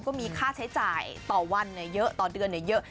ก็มีค่าใช้จ่ายต่อวันเยอะต่อเดือนเยอะ